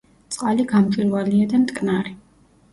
წყალი გამჭვირვალეა და მტკნარი.